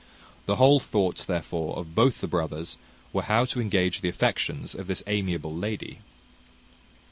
The whole thoughts, therefore, of both the brothers were how to engage the affections of this amiable lady.